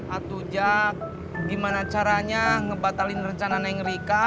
atuh jak gimana caranya ngebatalin rencana naik rika